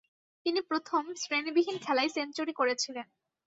তিনি প্রথম-শ্রেণীবিহীন খেলায় সেঞ্চুরি করেছিলেন।